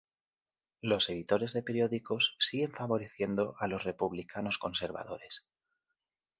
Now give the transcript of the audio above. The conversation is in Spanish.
Los editores de periódicos siguen favoreciendo a los republicanos conservadores.